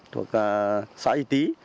thuộc xã y tý